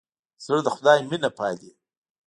زړه د خدای مینه پالي.